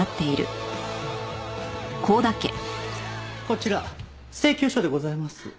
こちら請求書でございます。